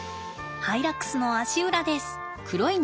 ハイラックスの足裏です。